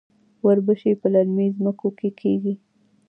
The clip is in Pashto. وربشې په للمي ځمکو کې کیږي.